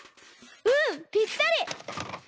うんぴったり！